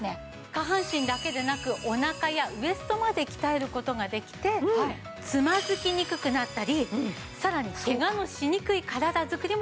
下半身だけでなくおなかやウエストまで鍛える事ができてつまずきにくくなったりさらにケガのしにくい体作りもできるわけです。